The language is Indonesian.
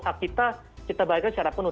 hak kita kita bayarkan secara penuh